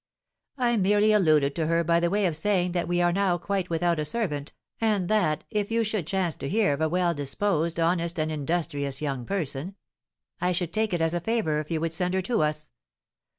"I merely alluded to her by way of saying that we are now quite without a servant, and that, if you should chance to hear of a well disposed, honest, and industrious young person, I should take it as a favour if you would send her to us.